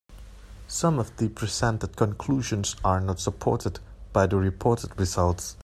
Some of the presented conclusions are not supported by the reported results.